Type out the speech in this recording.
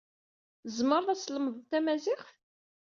Tzemred ad tlemded tamaziɣt.